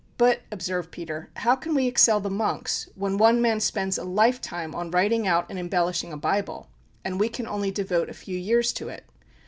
"But," observed Peter, "how can we excel the monks, when one man spends a life time on writing out and embellishing a Bible, and we can only devote a few years to it?